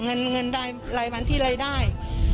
เงินในลายฟันที่ไร้ได้